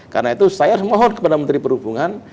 karena itu saya mohon kepada menteri perhubungan